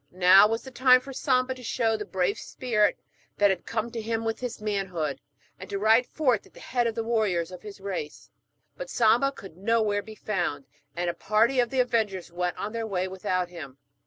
Now was the time for Samba to show the brave spirit that had come to him with his manhood, and to ride forth at the head of the warriors of his race. But Samba could nowhere be found, and a party of the avengers went on their way without him.